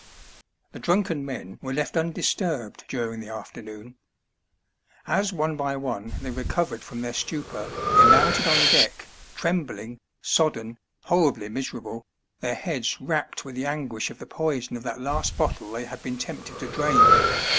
The drunken men were left undisturbed during the 284 A LUmNOVS 8AIL0B. afternoon. As one by one they recovered from their stupor, they mounted on deck, tremblings sodden, horribly miserable, their heads racked with the anguish of the poison of that last bottle they had been tempted to drain.